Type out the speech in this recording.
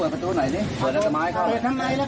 เปิดครับครับ